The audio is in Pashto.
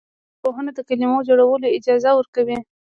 ژبپوهنه د کلمو جوړول اجازه ورکوي.